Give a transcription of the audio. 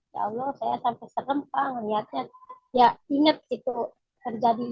ya allah saya sampai serem pak inget itu terjadi